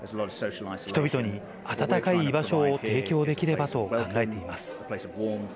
人々に暖かい居場所を提供できればと考えています。